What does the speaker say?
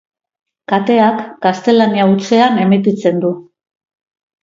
Kateak gaztelania hutsean emititzen du.